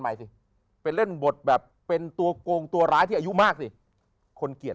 สิไปเล่นบทแบบเป็นตัวโกงตัวร้ายที่อายุมากสิคนเกลียด